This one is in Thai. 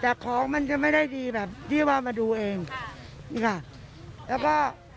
แต่ของมันจะไม่ได้ดีแบบที่ว่ามาดูเองนี่ค่ะแล้วก็